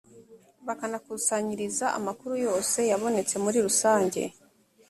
bakanakusanyiriza amakuru yose yabonetse muri rusanjye